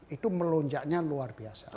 itu melonjaknya luar biasa